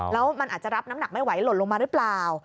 แล้วมันอาจจะรับน้ำหนักไม่ไหวหล่นลงมาหรือเปล่า